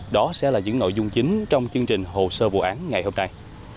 đó sẽ là những nội dung chính trong chương trình hồ sơ vụ án ngày hôm nay